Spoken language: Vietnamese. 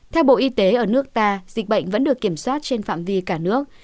theo bộ y tế ở nước ta dịch bệnh vẫn được kiểm soát trên phạm vi cả nước